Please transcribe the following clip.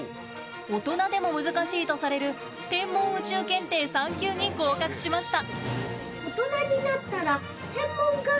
大人でも難しいとされる天文宇宙検定３級に合格しました。